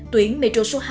tuyến metro số hai